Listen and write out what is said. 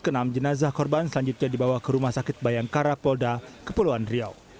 kenam jenazah korban selanjutnya dibawa ke rumah sakit bayangkara polda kepulauan riau